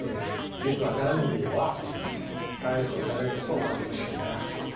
実はガンディーは逮捕されることをむしろねらっていた。